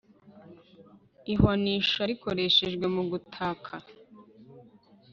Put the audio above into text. ihwanisha rikoreshwa mugutaka